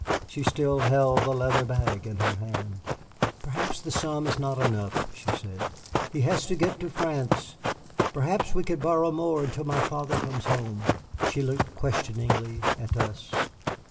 She still held the leather bag in her hand. "Perhaps the sum is not enough," she said; "he has to get to France. Perhaps we could borrow more until my father comes home." She looked questioningly at us.